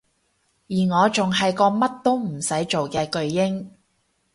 而我仲係個乜都唔做嘅巨嬰